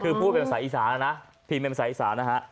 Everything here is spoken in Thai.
คือผู้เป็นบรรษาอีสาน่ะนะพีมเป็นบรรษาอีสาน่ะฮะ